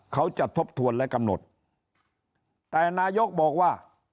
ทบทวนและกำหนดแต่นายกบอกว่า